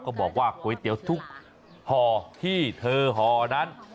บอกว่าก๋วยเตี๋ยวทุกห่อที่เธอห่อนั้น